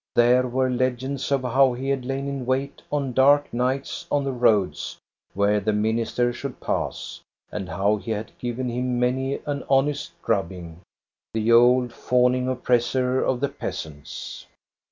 There were legends of how he had lain in wait on dark nights on the roads where the minister should pass, and how he had given him many an honest drubbing, the old fawning oppressor of the peasants.